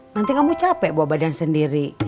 nanti kamu capek bawa badan sendiri